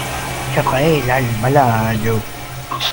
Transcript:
Rafael Alvarado